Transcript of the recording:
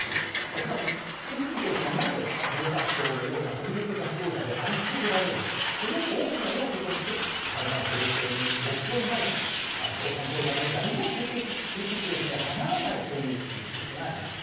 つまり習近平氏がなぜ毛沢東のような飛びぬけた指導者であり続けられるのかその大きな要素として台湾統一という目標の前では共産党内の誰も習近平氏にはかなわないという理屈があります。